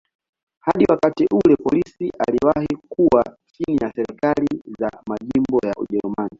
Hadi wakati ule polisi iliwahi kuwa chini ya serikali za majimbo ya Ujerumani.